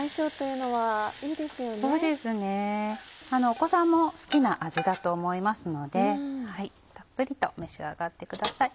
お子さんも好きな味だと思いますのでたっぷりと召し上がってください。